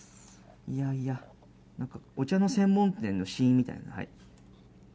いやいや、お茶の専門店の試飲みたいな感じ。